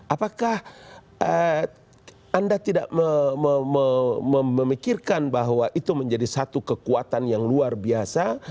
apakah anda tidak memikirkan bahwa itu menjadi satu kekuatan yang luar biasa